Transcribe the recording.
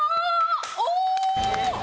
お！